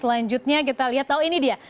selanjutnya kita lihat tahu ini dia